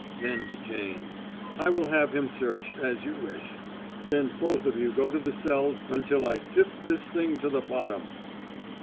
Then to Jane: "I will have him searched, as you wish. Then both of you go to the cells until I sift this thing to the bottom."